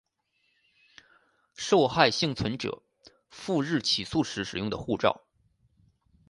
受害幸存者赴日起诉时使用的护照